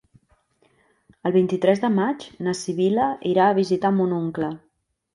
El vint-i-tres de maig na Sibil·la irà a visitar mon oncle.